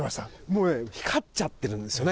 もうね光っちゃってるんですよね